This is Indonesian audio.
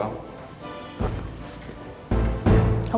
kamu dari mana